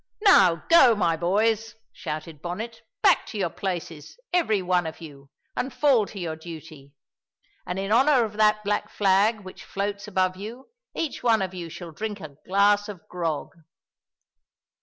"Now go, my boys," shouted Bonnet, "back to your places, every one of you, and fall to your duty; and in honour of that black flag which floats above you, each one of you shall drink a glass of grog."